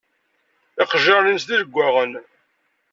Iqejjaṛen-ines d ileggaɣen.